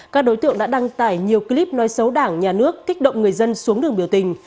các đối tượng đã đăng tải nhiều clip nói xấu đảng nhà nước kích động người dân xuống đường biểu tình